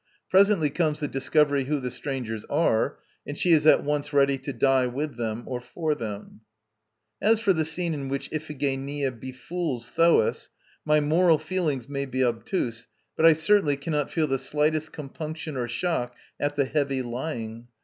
Presently comes the discovery who the strangers are; and she is at once ready to die with them or for them. As for the scene in which Iphigenia befools Thoas, my moral feelings may be obtuse, but I certainly cannot feel the slightest compunction or shock at the heavy lying.